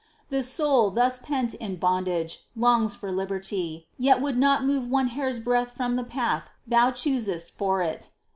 The soul, thus pent in bondage, longs for liberty, yet would not move one hair's breadth from the path Thou choosest for it.